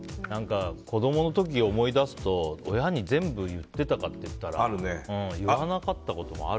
子供の時思い出すと親に全部言ってたかっていったら言わなかったこともある。